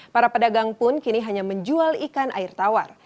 para pedagang pun kini hanya menjual ikan air tawar